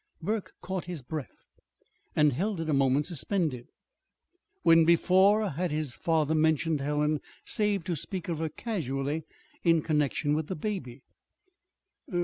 Burke caught his breath, and held it a moment suspended. When before had his father mentioned Helen, save to speak of her casually in connection with the baby?